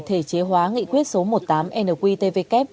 thể chế hóa nghị quyết số một mươi tám nqtvk